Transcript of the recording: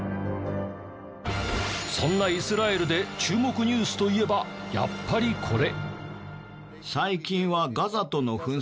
そんなイスラエルで注目ニュースといえばやっぱりこれ。